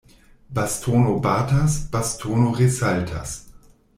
Bastono batas, bastono resaltas.